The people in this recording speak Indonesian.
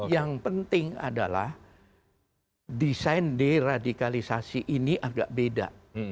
yang penting adalah desain deradikalisasi ini agak beda